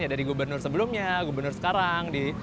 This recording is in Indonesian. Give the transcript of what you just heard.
dari gubernur sebelumnya gubernur sekarang